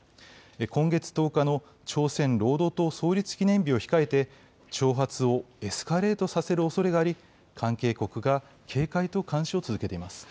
今月１０日の朝鮮労働党創立記念日を控えて、挑発をエスカレートさせるおそれがあり、関係国が警戒と監視を続けています。